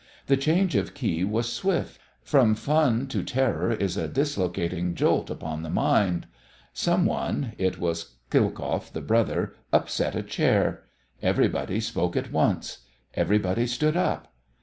The change of key was swift. From fun to terror is a dislocating jolt upon the mind. Some one it was Khilkoff, the brother upset a chair; everybody spoke at once; everybody stood up.